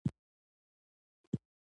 د ونې ولاړېدل د غرونو ښکلا لا زیاته کړې وه.